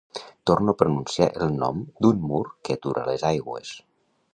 Torno a pronunciar el nom d'un mur que atura les aigües.